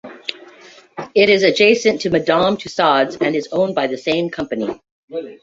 It is adjacent to Madame Tussauds and is owned by the same company.